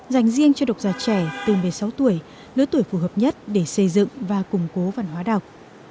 dành riêng cho độc giả trẻ từ một mươi sáu tuổi lứa tuổi phù hợp nhất để xây dựng và củng cố văn hóa đọc